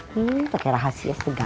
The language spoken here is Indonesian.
ini pakai rahasia segala